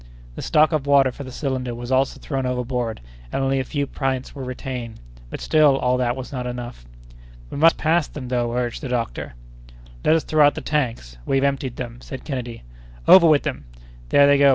The stock of water for the cylinder was also thrown overboard and only a few pints were retained, but still all this was not enough. "We must pass them though!" urged the doctor. "Let us throw out the tanks—we have emptied them." said Kennedy. "Over with them!" "There they go!"